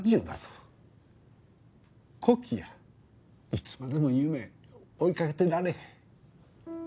いつまでも夢追いかけてられへん。